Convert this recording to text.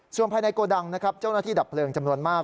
ส่วนภายในโกดังนะครับเจ้าหน้าที่ดับเพลิงจำนวนมาก